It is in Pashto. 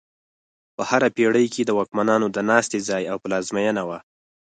په هره پېړۍ کې د واکمنانو د ناستې ځای او پلازمینه وه.